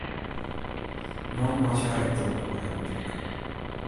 Mannen meitsje har ek drok oer har uterlik.